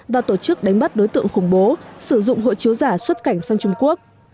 và tổ chức đánh bắt đối tượng khủng bố sử dụng hộ chiếu giả xuất cảnh sang trung quốc